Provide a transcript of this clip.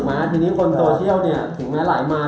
เพราะที่นี่คนเซอร์เซียลฟี่มาหลายมาย